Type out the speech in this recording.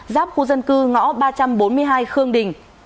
giáp khu dân cư ngõ ba trăm bốn mươi hai khương đình